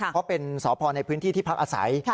เพราะเป็นสพในพื้นที่ที่พักอาศัย